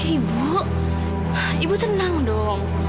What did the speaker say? ibu ibu tenang dong